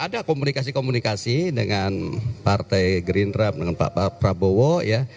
ada komunikasi komunikasi dengan partai gerindra dengan pak prabowo ya